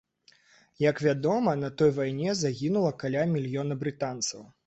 Як вядома, на той вайне загінула каля мільёна брытанцаў.